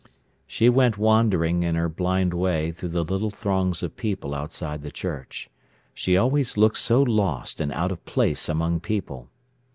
She went wandering, in her blind way, through the little throngs of people outside the church. She always looked so lost and out of place among people.